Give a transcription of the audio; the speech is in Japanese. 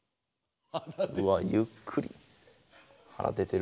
うわゆっくり。